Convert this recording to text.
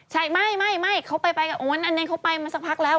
คุณเนี่ยคุณถ่ายอย่างงี้ได้มั้ย